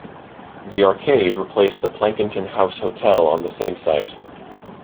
The Arcade replaced the Plankinton House Hotel on the same site.